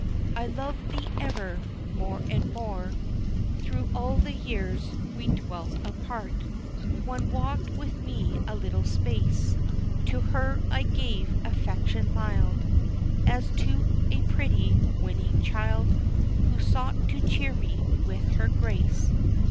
I loved thee ever, more and more Through all the years we dwelt apart One walked with me a little space, To her I gave affection mild, As to a pretty winning child Who sought to cheer me with her grace.